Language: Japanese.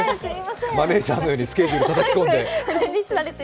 マネージャーのようにスケジュールたたき込んで。